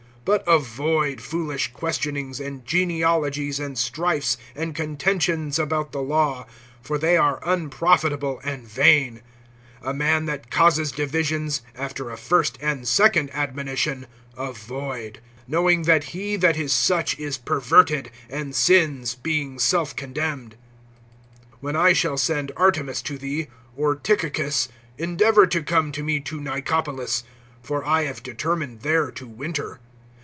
(9)But avoid foolish questionings, and genealogies, and strifes, and contentions about the law; for they are unprofitable and vain. (10)A man that causes divisions, after a first and second admonition, avoid[3:10]; (11)knowing that he that is such is perverted, and sins, being self condemned. (12)When I shall send Artemas to thee, or Tychicus, endeavor to come to me to Nicopolis; for I have determined there to winter.